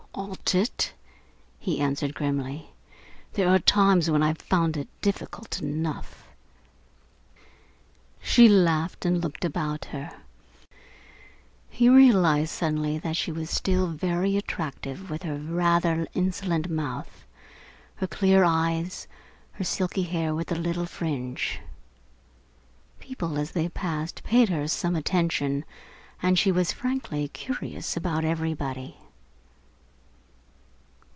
"Ought it?" he answered grimly. "There are times when I've found it difficult enough." She laughed and looked about her. He realised suddenly that she was still very attractive with her rather insolent mouth, her clear eyes, her silky hair with the little fringe. People, as they passed, paid her some attention, and she was frankly curious about everybody.